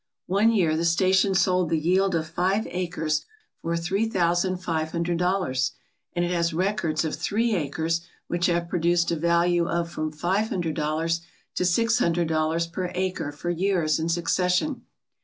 One year the station sold the yield of five acres for three thousand five hundred dollars, and it has records of three acres which have pro duced a value of from five hundred dollars to six hundred dollars per acre for years in succession.